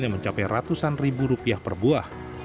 yang mencapai ratusan ribu rupiah per buah